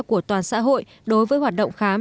của toàn xã hội đối với hoạt động khám